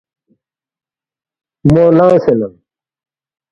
مو لنگسے ننگ